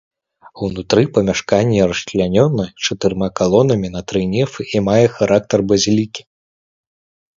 Унутры памяшканне расчлянёна чатырма калонамі на тры нефы і мае характар базілікі.